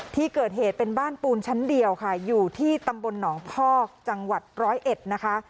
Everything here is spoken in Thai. ที่เกิดเหตุเป็นบ้านปูนชั้นเดียวค่ะอยู่ที่ตำบลหนองพอกจังหวัดร้อยเอ็ดนะคะ